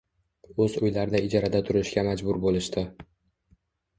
O‘z uylarida ijarada turishga majbur bo‘lishdi.